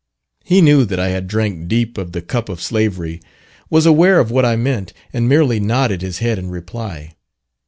He knew that I had drank deep of the cup of slavery, was aware of what I meant, and merely nodded his head in reply.